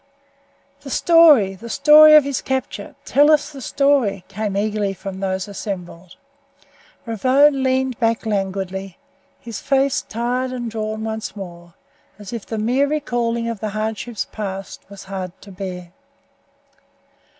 "The story! The story of his capture! Tell us the story," came eagerly from those assembled. Ravone leaned back languidly, his face tired and drawn once more, as if the mere recalling of the hardships past was hard to bear.